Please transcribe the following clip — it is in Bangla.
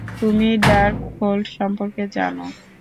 তুমি ডার্কহোল্ড সম্পর্কে জানো?